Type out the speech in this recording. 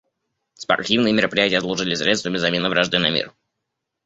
Спортивные мероприятия служили средствами замены вражды на мир.